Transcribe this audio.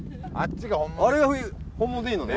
あれが本物でいいのね？